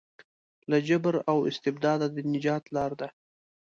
له جبر او استبداده د نجات لاره ده.